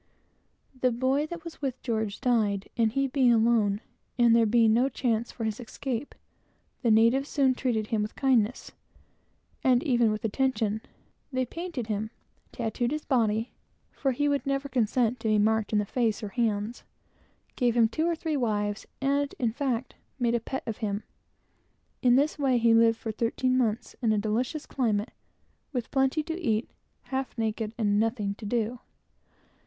The boy that was with George died, and he being alone, and there being no chance for his escape, the natives soon treated him with kindness, and even with attention. They painted him, tattooed his body, (for he would never consent to be marked in the face or hands,) gave him two or three wives; and, in fact, made quite a pet of him. In this way, he lived for thirteen months, in a fine climate, with a plenty to eat, half naked, and nothing to do.